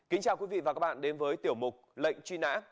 kính chào quý vị và các bạn đến với tiểu mục lệnh truy nã